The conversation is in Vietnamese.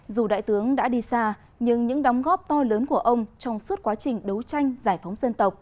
dù đại tướng đã đi xa nhưng những đóng góp to lớn của ông trong suốt quá trình đấu tranh giải phóng dân tộc